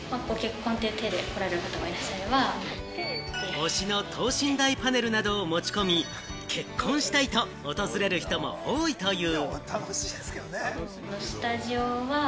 推しの等身大パネルなどを持ち込み、結婚したいと訪れる人も多いという。